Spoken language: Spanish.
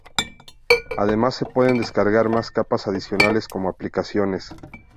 Además se pueden descargar más capas adicionales como aplicaciones.